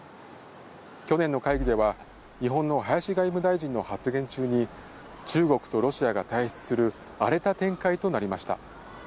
去年の会議では、日本の林外務大臣の発言中に中国とロシアが退出する荒れた展開となりました。